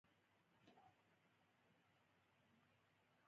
له کومه ځایه به واری راباندې وکړي.